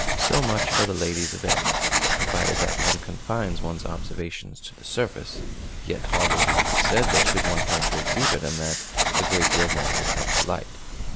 So much for the ladies of N., provided that one confines one's observations to the surface; yet hardly need it be said that, should one penetrate deeper than that, a great deal more would come to light.